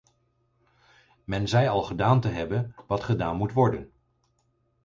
Men zei al gedaan te hebben wat gedaan moet worden.